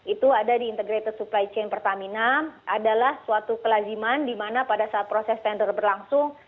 itu ada di integrated supply chain pertamina adalah suatu kelaziman di mana pada saat proses tender berlangsung